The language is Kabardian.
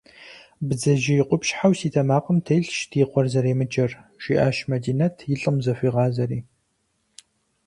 Бдзэжьей къупщхьэу си тэмакъым телъщ ди къуэр зэремыджэр, – жиӀащ Мадинэт, и лӀым зыхуигъазэри.